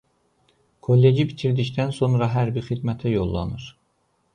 Kolleci bitirdikdən sonra hərbi xidmətə yollanır.